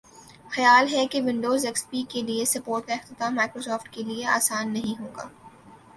خیال ہے کہ ونڈوز ایکس پی کے لئے سپورٹ کااختتام مائیکروسافٹ کے لئے آسان نہیں ہوگا